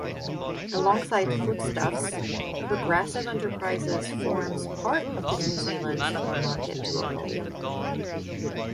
Alongside Foodstuffs, Progressive Enterprises forms part of the New Zealand supermarket duopoly.